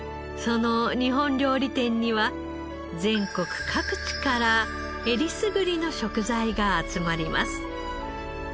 その日本料理店には全国各地から選りすぐりの食材が集まります。